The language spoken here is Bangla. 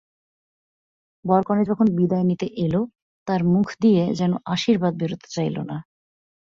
বরকনে যখন বিদায় নিতে এল তাঁর মুখ দিয়ে যেন আশীর্বাদ বেরোতে চাইল না।